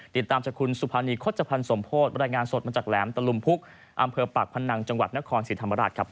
ติดตามจากคุณสุภานีโฆษภัณฑ์สมโพธิบรรยายงานสดมาจากแหลมตะลุมพุกอำเภอปากพนังจังหวัดนครศรีธรรมราชครับ